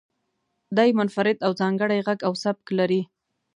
دی منفرد او ځانګړی غږ او سبک لري.